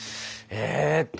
えっと。